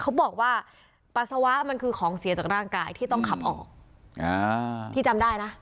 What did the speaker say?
เขาบอกว่าปัสสาวะมันคือของเสียจากร่างกายที่ต้องขับออกอ่าที่จำได้นะ